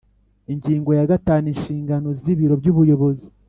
Ingingo ya gatanu Inshingano z Ibiro by Ubuyobozi